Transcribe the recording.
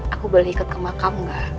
aku boleh ikut ke makam gak